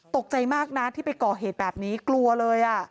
ตกใจมากนะที่ไปก่อเหตุแบบนี้กลัวเลย